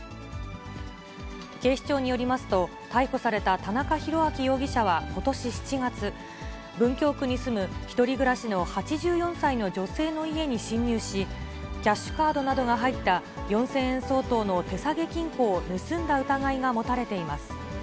警視庁によりますと、逮捕された田中広明容疑者はことし７月、文京区に住む１人暮らしの８４歳の女性の家に侵入し、キャッシュカードなどが入った４０００円相当の手提げ金庫を盗んだ疑いが持たれています。